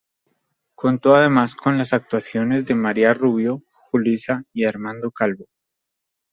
Contó además con las actuaciones de María Rubio, Julissa y Armando Calvo.